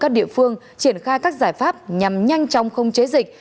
các địa phương triển khai các giải pháp nhằm nhanh chóng không chế dịch